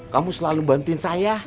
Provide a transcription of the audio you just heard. kamu selalu bantuin saya